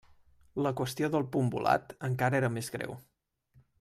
La qüestió del punt volat encara era més greu.